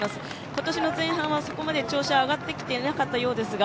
今年の前半はそこまで調子が上がってきてなかったようですが